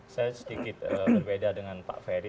saya sedikit berbeda dengan pak ferry